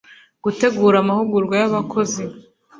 Gutegura amahugurwa y’abakozi